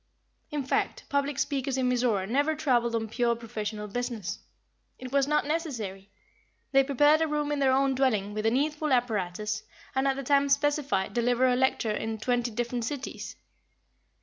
In fact, public speakers in Mizora never traveled on pure professional business. It was not necessary. They prepared a room in their own dwelling with the needful apparatus, and at the time specified delivered a lecture in twenty different cities.